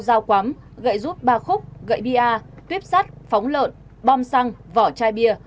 dao quắm gậy giúp ba khúc gậy bia tuyếp sắt phóng lợn bom xăng vỏ chai bia